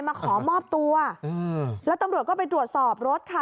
มาขอมอบตัวอืมแล้วตำรวจก็ไปตรวจสอบรถค่ะ